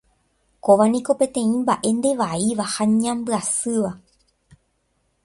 Kóva niko peteĩ mbaʼe ndevaíva ha ñambyasýva.